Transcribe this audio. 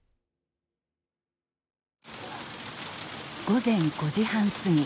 午前５時半過ぎ。